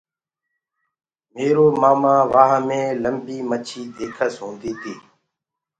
ميرو مآمآ وآه مي لمبي مڇي ديکس هوندي تي۔